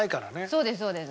そうですそうです。